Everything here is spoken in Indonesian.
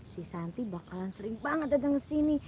si santi bakalan sering banget datang ke sini